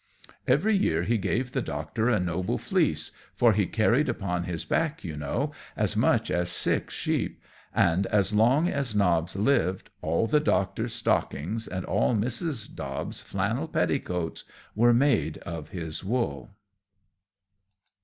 Every year he gave the Doctor a noble fleece, for he carried upon his back, you know, as much as six sheep; and as long as Nobbs lived, all the Doctor's stockings, and all Mrs. Dobbs' flannel petticoats, were made of his wool.